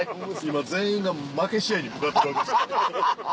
今全員が負け試合に向かってるわけですから。